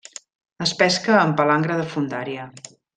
Es pesca amb palangre de fondària.